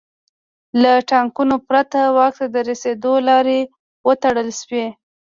له ټاکنو پرته واک ته د رسېدو لارې وتړل شوې.